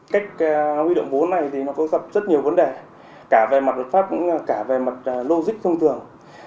cách huy động vốn này có rất nhiều vấn đề cả về mặt luật pháp cũng như logic thông thường